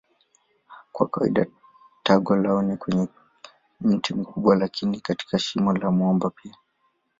Kwa kawaida tago lao ni kwenye mti mkubwa lakini katika shimo la mwamba pia.